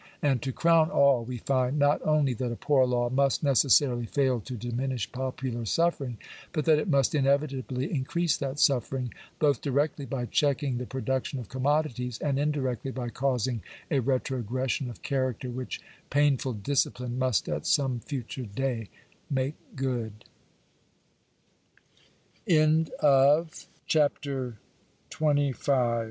And, to crown all, we find, not only that a poor law must necessarily fail to diminish popular suffering, but that it must inevitably increase that suffering, both directly by checking the production of commodities, and indirectly by causing a retrogression of character, which painful discipline must at some future day mak